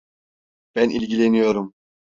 Ben ilgileniyorum.